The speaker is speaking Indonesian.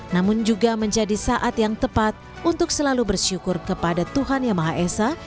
namun juga menjadi saat yang tepat untuk selalu bersyukur kepada tuhan yang maha esa